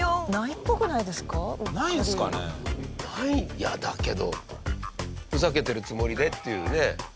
いやだけどふざけてるつもりでっていうね。